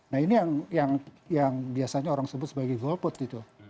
nah ini yang biasanya orang sebut sebagai golput gitu